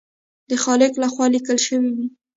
د خالق لخوا لیکل شوي وي.